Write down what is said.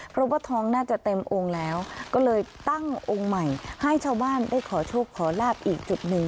เพราะว่าทองน่าจะเต็มองค์แล้วก็เลยตั้งองค์ใหม่ให้ชาวบ้านได้ขอโชคขอลาบอีกจุดหนึ่ง